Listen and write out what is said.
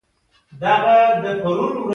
د افغانستان بزګران زنده باد.